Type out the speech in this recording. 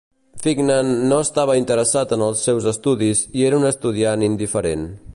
Fignon no estava interessat en els seus estudis i era un estudiant indiferent.